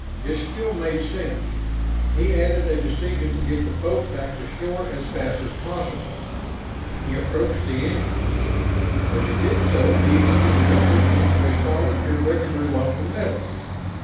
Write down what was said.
It still made sense, and he added a decision to get the boat back to shore as fast as possible. He approached the engine. As he did so, the engine melted into a solid, irregular lump of metal.